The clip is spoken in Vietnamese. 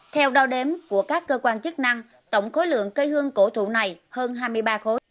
theo đo đếm của các cơ quan chức năng tổng khối lượng cây hương cổ thụ này hơn hai mươi ba khối